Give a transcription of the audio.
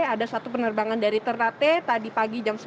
ada satu penerbangan dari ternate tadi pagi jam sembilan